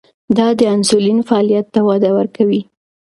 دا د انسولین فعالیت ته وده ورکوي.